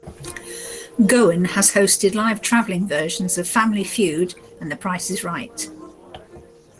Goen has hosted live traveling versions of "Family Feud" and "The Price Is Right".